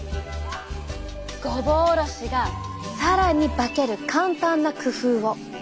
ごぼおろしが更に化ける簡単な工夫を！